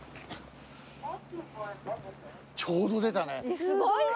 ちょうど出たね。